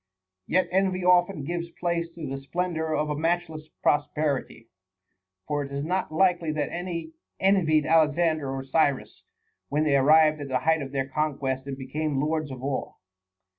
Yet envy often gives place to the splendor of a matchless prosperity. For it is not likely that any envied Alexander or Cyrus, when they arrived at the height of their conquests and became lords of all.